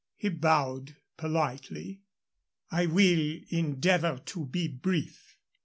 He bowed politely. "I will endeavor to be brief.